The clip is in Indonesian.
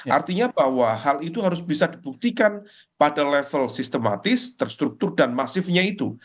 artinya bahwa hal itu harus bisa dibuktikan pada level sistematis terstruktur dan masifnya itu